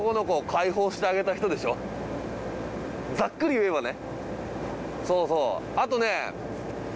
ざっくり言えばね。